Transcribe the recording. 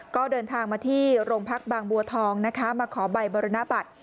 ก็เดินทางมาที่โรงพักบางบัวทองนะคะมาขอใบบรณบัตร